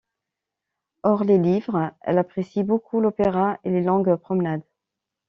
Hors les livres, elle apprécie beaucoup l’opéra et les longues promenades.